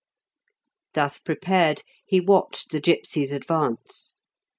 Thus prepared, he watched the gipsies advance.